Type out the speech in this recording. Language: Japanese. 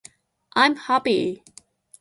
i'm happy